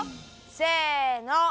せの！